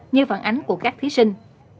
như phản ánh của các thí sinh